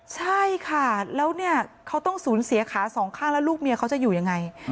ใช่ค่ะแล้วเนี่ยเขาต้องสูญเสียขาสองข้างแล้วลูกเมียเขาจะอยู่ยังไง